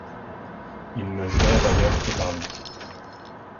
Il ne jurait d'ailleurs que par lui.